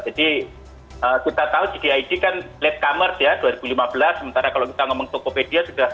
jadi kita tahu gdig kan late commerce ya dua ribu lima belas sementara kalau kita ngomong tokopedia sudah dua ribu sembilan